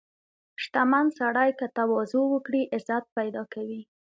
• شتمن سړی که تواضع وکړي، عزت پیدا کوي.